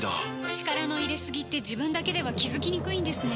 力の入れすぎって自分だけでは気付きにくいんですね